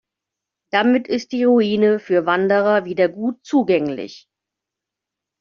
Damit ist die Ruine für Wanderer wieder gut zugänglich.